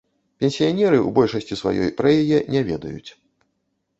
Пенсіянеры ў большасці сваёй пра яе не ведаюць.